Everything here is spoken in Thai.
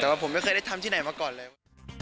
แต่ว่าผมไม่เคยได้ทำที่ไหนมาก่อนเลย